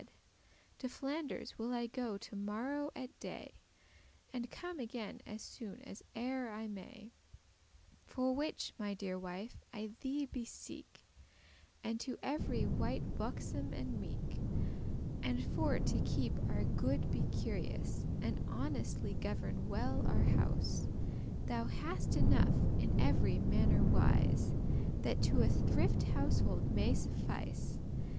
* *trading To Flanders will I go to morrow at day, And come again as soon as e'er I may: For which, my deare wife, I thee beseek *beseech As be to every wight buxom* and meek, *civil, courteous And for to keep our good be curious, And honestly governe well our house. Thou hast enough, in every manner wise, That to a thrifty household may suffice.